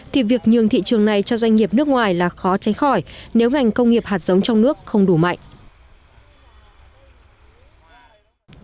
thì việc nhường thị trường này cho doanh nghiệp nước ngoài là khó tránh khỏi nếu ngành công nghiệp hạt giống trong nước không đủ mạnh